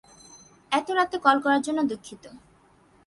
এত রাতে কল করার জন্য দুঃখিত।